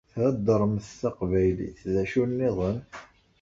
Theddṛemt taqbaylit, d acu nniḍen?